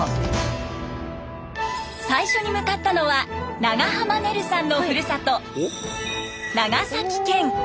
最初に向かったのは長濱ねるさんのふるさと長崎県。